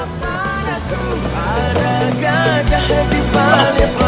makasih ya kang